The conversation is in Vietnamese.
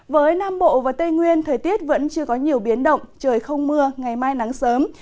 với nam bộ và tây nguyên thời tiết vẫn chưa có nhiều biến động trời không mưa ngày mai nắng sớm